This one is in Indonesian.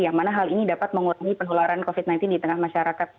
yang mana hal ini dapat mengurangi penularan covid sembilan belas di tengah masyarakat